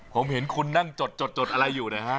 ผมเห็นคุณนั่งจดอะไรอยู่นะฮะ